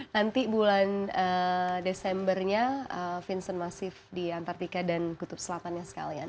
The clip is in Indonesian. nanti bulan desembernya vincent masif di antarctica dan kutub selatan ya sekalian